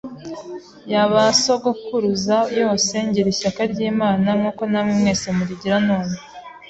ya ba sogokuruza yose, ngira ishyaka ry’Imana nk’uko namwe mwese murigira none.